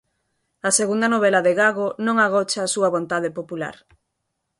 A segunda novela de Gago non agocha a súa vontade popular.